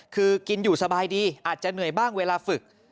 คือกินอยู่สบายดีอาจจะเหนื่อยบ้างเวลาฝึก